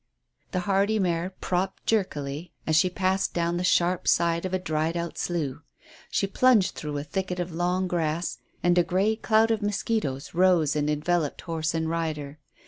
The hardy mare "propped" jerkily as she passed down the sharp side of a dried out slough. She plunged through a thicket of long grass, and a grey cloud of mosquitoes rose and enveloped horse and rider.